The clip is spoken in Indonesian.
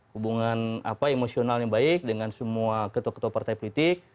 hubungan apa emosional yang baik dengan semua ketua ketua partai politik